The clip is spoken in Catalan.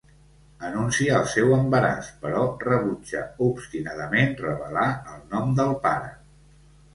Anuncia el seu embaràs però rebutja obstinadament revelar el nom del pare.